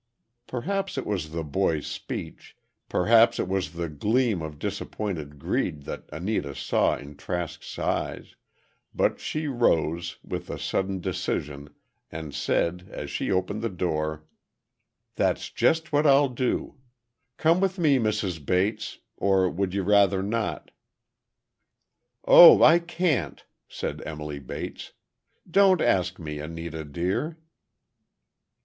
Perhaps it was the boy's speech, perhaps it was the gleam of disappointed greed that Anita saw in Trask's eyes, but she rose, with a sudden decision, and said, as she opened the door: "That's just what I'll do. Come with me, Mrs. Bates—or, would you rather not?" "Oh, I can't," said Emily Bates, "don't ask me, Anita, dear."